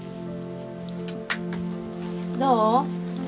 どう？